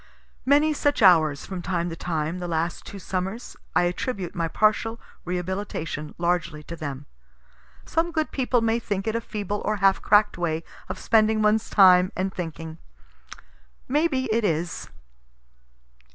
Many such hours, from time to time, the last two summers I attribute my partial rehabilitation largely to them. Some good people may think it a feeble or half crack'd way of spending one's time and thinking. May be it is.